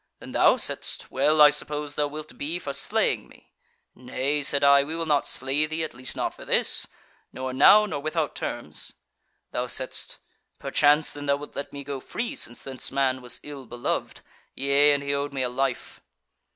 Then thou saidst; 'Well, I suppose thou wilt be for slaying me.' 'Nay,' said I, 'We will not slay thee; at least not for this, nor now, nor without terms.' Thou saidst: 'Perchance then thou wilt let me go free, since this man was ill beloved: yea, and he owed me a life.'